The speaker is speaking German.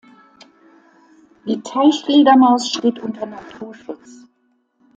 Die Teichfledermaus steht unter Naturschutz.